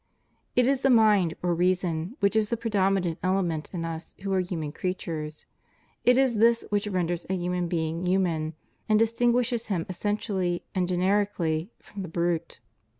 It is the mind, or reason, which is the predominant element in us who are human creatures; it is this which renders a human being human, and distinguishes him essentially and generically from the brute.